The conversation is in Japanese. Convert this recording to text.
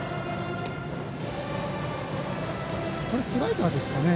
今のはスライダーですかね。